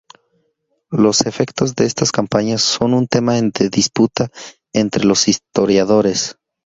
Los efectos de estas campañas son aún tema de disputa entre los historiadores.